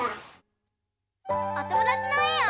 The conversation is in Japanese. おともだちのえを。